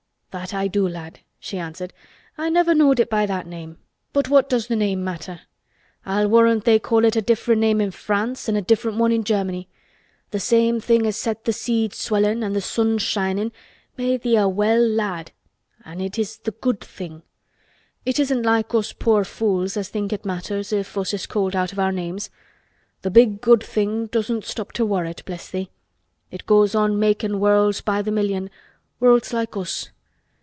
"That I do, lad," she answered. "I never knowed it by that name but what does th' name matter? I warrant they call it a different name i' France an' a different one i' Germany. Th' same thing as set th' seeds swellin' an' th' sun shinin' made thee a well lad an' it's th' Good Thing. It isn't like us poor fools as think it matters if us is called out of our names. Th' Big Good Thing doesn't stop to worrit, bless thee. It goes on makin' worlds by th' million—worlds like us.